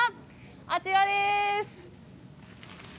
あちらです。